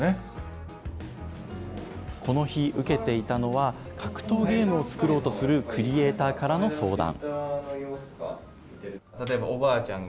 この日、受けていたのは、格闘ゲームを作ろうとするクリエーターからの相談。